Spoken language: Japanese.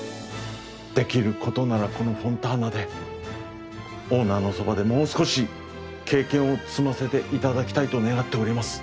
できることならこのフォンターナでオーナーのそばでもう少し経験を積ませていただきたいと願っております。